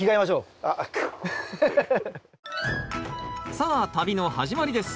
さあ旅の始まりです！